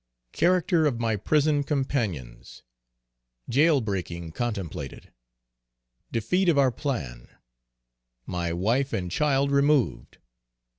_Character of my prison companions. Jail breaking contemplated. Defeat of our plan. My wife and child removed.